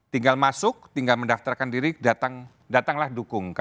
tinggal masuk tinggal mendaftarkan diri datanglah dukung